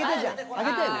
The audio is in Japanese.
あげたよね？